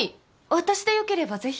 私でよければぜひ。